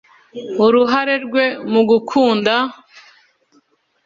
urhare rwe mugukunda